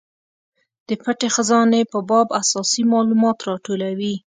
د پټې خزانې په باب اساسي مالومات راټولوي.